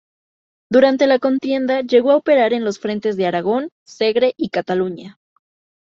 Durante la contienda llegó a operar en los frentes de Aragón, Segre y Cataluña.